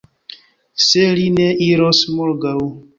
Se li ne iros morgaŭ!